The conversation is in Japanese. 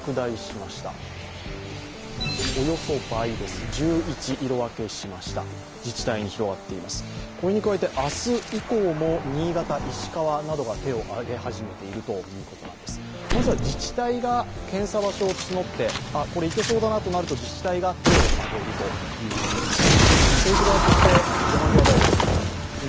まずは自治体が検査場所を募ってこれいけそうだなとなると自治体が手を挙げるという形です。